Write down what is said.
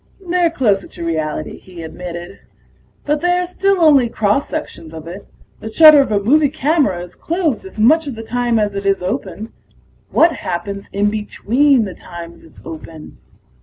"They're closer to reality," he admitted. "But they are still only cross sections of it. The shutter of a movie camera is closed as much of the time as it is open. What happens in between the times it's open?